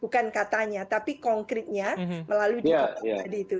bukan katanya tapi konkretnya melalui dialog tadi itu